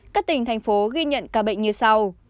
các tỉnh thành phố ghi nhận ca bệnh như sau